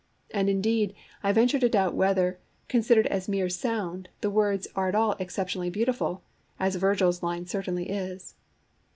And indeed I venture to doubt whether, considered as mere sound, the words are at all exceptionally beautiful, as Virgil's line certainly is.